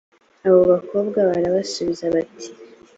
abo bakobwa barabasubiza bati